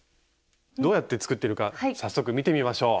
どうやって作っているか早速見てみましょう。